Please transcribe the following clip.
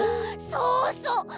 そうそう。